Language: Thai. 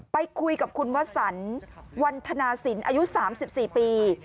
ไปคุยกับคุณวสันวันธนาศิลป์อายุ๓๔ปี